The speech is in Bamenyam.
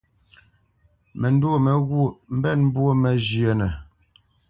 Məndwô mé ghwôʼ mbénə̄ mbwô məzhə́nə.